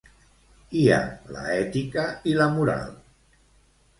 Hi ha la ètica i la moral.